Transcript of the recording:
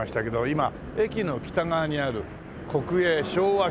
今駅の北側にある国営昭和記念公園。